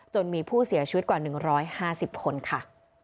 มีผู้เสียชีวิตกว่า๑๕๐คนค่ะ